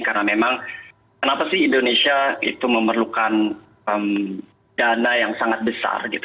karena memang kenapa sih indonesia itu memerlukan dana yang sangat besar gitu